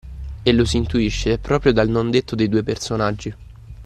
E lo si intuisce proprio dal non-detto dei due personaggi.